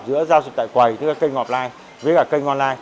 giữa giao dịch tại quầy tức là kênh offline với cả kênh online